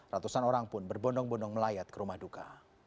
ratusan orang pun berbondong bondong melayat ke rumah duka